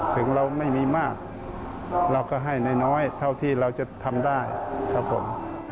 ถึงเราไม่มีมากเราก็ให้น้อยเท่าที่เราจะทำได้ครับผม